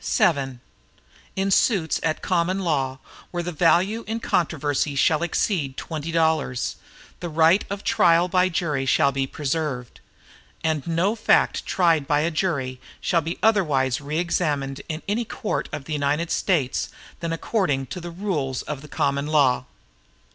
VII In suits at common law, where the value in controversy shall exceed twenty dollars, the right of trial by jury shall be preserved, and no fact tried by a jury shall be otherwise re examined in any court of the United States, than according to the rules of the common law.